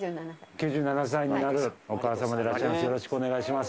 ９７歳になるお母様でいらっしゃいます。